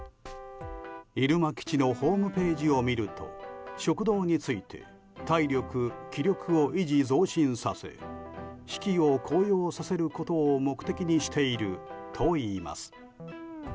入間基地のホームページを見ると食堂について体力、気力を維持増進させ士気を高揚させることを目的にしているといいます。